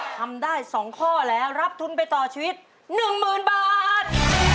ทำได้๒ข้อแล้วรับทุนไปต่อชีวิต๑๐๐๐บาท